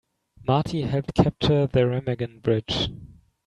Marty helped capture the Remagen Bridge.